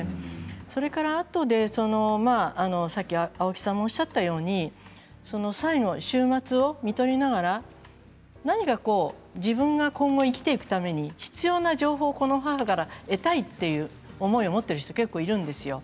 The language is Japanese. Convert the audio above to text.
それから、あとでさっき青木さんもおっしゃったように最後、終末をみとりながら何か今後、生きていくために必要な情報をこの母から得たいという思いを持っている人が結構いるんですよ。